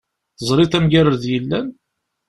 Teẓriḍ amgirred yellan?